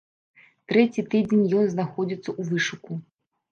Трэці тыдзень ён знаходзіцца ў вышуку.